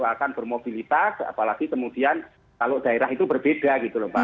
akan bermobilitas apalagi kemudian kalau daerah itu berbeda gitu loh mbak